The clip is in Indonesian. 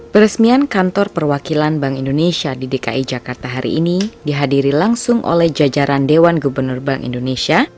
peresmian kantor perwakilan bank indonesia di dki jakarta hari ini dihadiri langsung oleh jajaran dewan gubernur bank indonesia